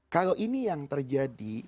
kalau ini yang terjadi